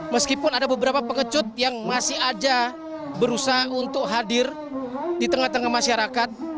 meskipun ada beberapa pengecut yang masih aja berusaha untuk hadir di tengah tengah masyarakat